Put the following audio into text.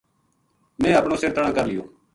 میں اپنو سِر تَنہا ں کر لیو